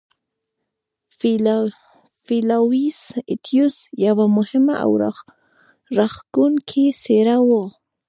فلاویوس اتیوس یوه مهمه او راښکوونکې څېره وه.